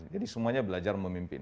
jadi semuanya belajar memimpin